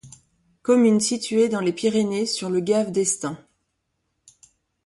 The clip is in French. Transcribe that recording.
Commune située dans les Pyrénées sur le gave d'Estaing.